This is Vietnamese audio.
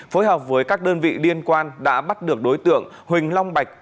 phối hợp với các đơn vị liên quan đã bắt được đối tượng huỳnh long bạch